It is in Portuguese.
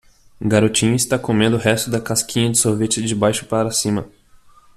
Garotinho está comendo o resto da casquinha de sorvete de baixo para cima.